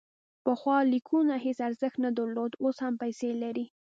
پخوا لایکونه هیڅ ارزښت نه درلود، اوس هم پیسې لري.